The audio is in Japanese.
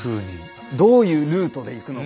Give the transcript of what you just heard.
どういうルートで行くのか。